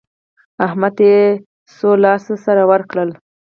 احمد ته يې څو لاس سره ورکړل؟